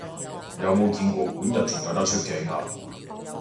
有冇見過管軼仲有得出鏡啊？